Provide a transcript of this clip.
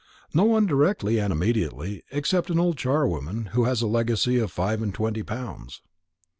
"No one directly and immediately, except an old charwoman, who has a legacy of five and twenty pounds."